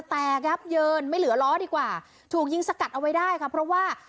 ยับเยินไม่เหลือล้อดีกว่าถูกยิงสกัดเอาไว้ได้ค่ะเพราะว่า